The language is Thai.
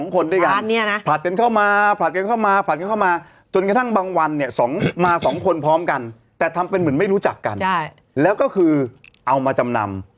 คนด้วยกันผลัดกันเข้ามาผลัดกันเข้ามาผลัดกันเข้ามาจนกระทั่งบางวันเนี่ยมา๒คนพร้อมกันแต่ทำเป็นเหมือนไม่รู้จักกันแล้วก็คือเอามาจำนำ